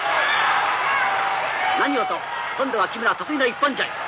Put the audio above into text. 何をと今度は木村得意の一本背負い。